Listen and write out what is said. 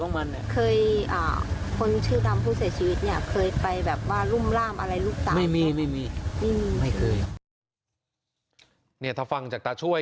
ไม่มีไม่มีไม่เคยเนี้ยถ้าฟังจากตาช่วย